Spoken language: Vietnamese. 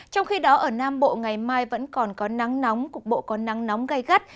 trong khi đó ở nam bộ ngày mai vẫn còn có nắng nóng cục bộ có nắng nóng gây gắt